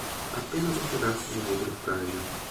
Apenas um pedaço de vidro frágil